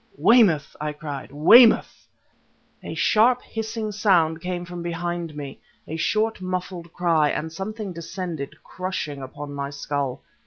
"Weymouth!" I cried. "Weymouth!" A sharp hissing sound came from behind me; a short, muffled cry ... and something descended, crushing, upon my skull.